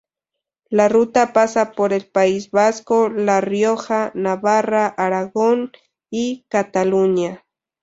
La ruta pasa por el País Vasco, La Rioja, Navarra, Aragón y Cataluña.